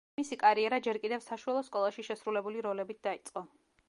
მისი კარიერა ჯერ კიდევ საშუალო სკოლაში შესრულებული როლებით დაიწყო.